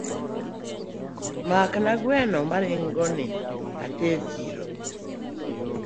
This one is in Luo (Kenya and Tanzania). Makna gweno maringoni ater chiro.